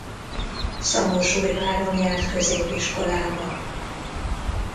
Szamosújváron járt középiskolába.